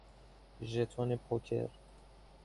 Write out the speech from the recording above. ژتون پوکر